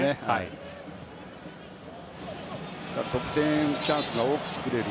得点チャンスが多く作れる。